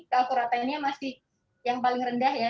kalkur ratainya masih yang paling rendah ya